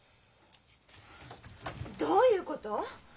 どういうこと？